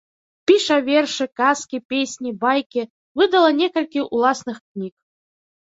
Піша вершы, казкі, песні, байкі, выдала некалькі ўласных кніг.